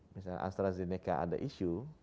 misalnya astrazeneca ada isu